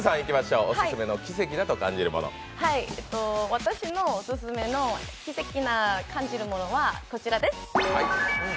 私のオススメの奇跡に感じるものはこちらです。